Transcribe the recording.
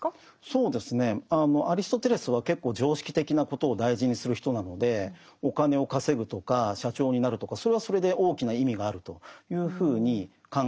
そうですねアリストテレスは結構常識的なことを大事にする人なのでお金を稼ぐとか社長になるとかそれはそれで大きな意味があるというふうに考えます。